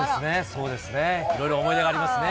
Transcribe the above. そうですね、いろいろ思い出がありますね。